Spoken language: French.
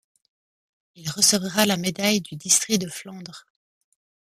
Il recevra la médaille du district de Flandre.